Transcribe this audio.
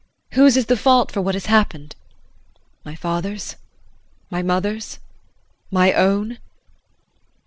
Whose is the fault for what has happened my father's? My mother's? My own?